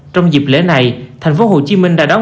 trong dịp lễ này tp hcm đã đón